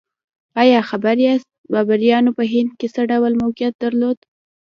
ایا خبر یاست بابریانو په هند کې څه ډول موقعیت درلود؟